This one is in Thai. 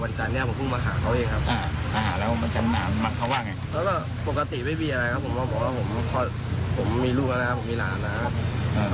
อันนี้ไม่ทราบเหมือนกันครับ